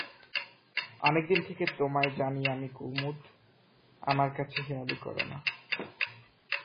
অনেকদিন থেকে তোমায় জানি আমি কুমুদ, আমার কাছে হেঁয়ালি কোরো না।